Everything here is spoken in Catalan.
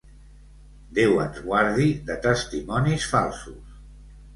Déu ens guardi de testimonis falsos.